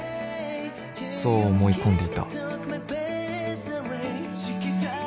［そう思い込んでいた］